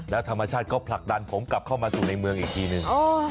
แล้วธรรมชาติก็ผลักดันผมกลับเข้ามาสู่ในเมืองอีกทีหนึ่ง